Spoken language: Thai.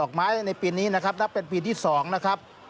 ไม้ในปีนี้นะครับนับเป็นปีที่๒นะครับ